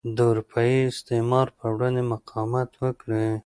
د اروپايي استعمار پر وړاندې مقاومت وکړي.